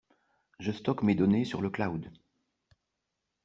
Je stocke mes données sur le cloud.